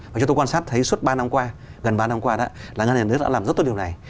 và cho tôi quan sát thấy suốt ba năm qua gần ba năm qua đó là ngân hàng nước đã làm rất tốt điều này